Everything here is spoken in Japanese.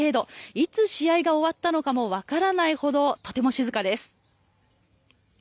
いつ試合が終わったのかもわからないほどとても静かです。